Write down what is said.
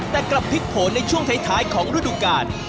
แต่กลับพิโผล่ในช่วงท้ายของรุ่นดุการณ์